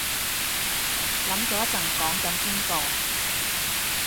諗咗陣講緊邊個